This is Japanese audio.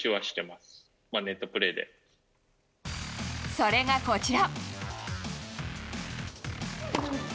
それがこちら。